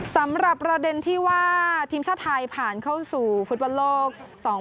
สำหรับประเด็นที่ว่าทีมชาติไทยผ่านเข้าสู่ฟุตบอลโลก๒๐